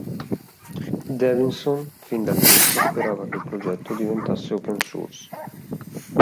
Davidson fin dall'inizio sperava che il progetto diventasse open source.